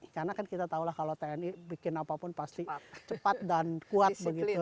karena kan kita tahu lah kalau tni bikin apapun pasti cepat dan kuat begitu